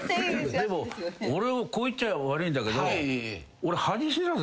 でも俺もこう言っちゃ悪いんだけど。